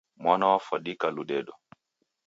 Mwana wafwadika ludedo.